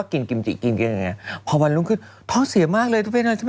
กินกิมจิกินกินกินอย่างเงี้ยพอวันลุ่มขึ้นท้องเสียมากเลยทุกคน